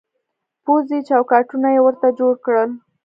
پوځي چوکاټونه يې ورته جوړ کړل.